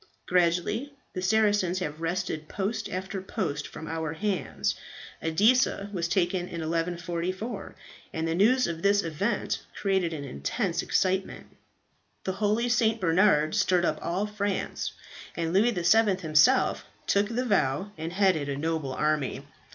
"Gradually the Saracens have wrested post after post from our hands. Edessa was taken in 1144, and the news of this event created an intense excitement. The holy St. Bernard stirred up all France, and Louis VII. himself took the vow and headed a noble army.